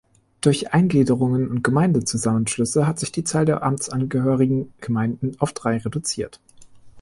Durch Eingliederungen und Gemeindezusammenschlüsse hat sich die Zahl der amtsangehörigen Gemeinden auf drei reduziert.